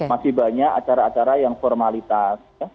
masih banyak acara acara yang formalitas